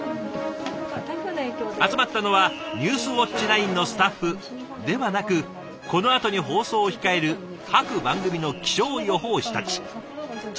集まったのは「ニュースウオッチ９」のスタッフではなくこのあとに放送を控える各番組の気象予報士たち。